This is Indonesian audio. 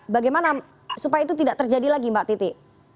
bagaimana supaya itu tidak terjadi lagi mbak titi